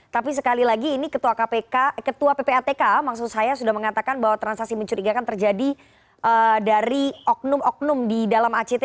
tapi sekali lagi ini ketua kpk ketua ppatk maksud saya sudah mengatakan bahwa transaksi mencurigakan terjadi dari oknum oknum di dalam act